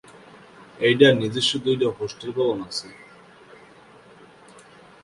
এটির নিজস্ব দুটি হোস্টেল ভবন রয়েছে।